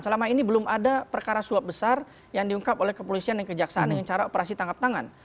selama ini belum ada perkara suap besar yang diungkap oleh kepolisian dan kejaksaan dengan cara operasi tangkap tangan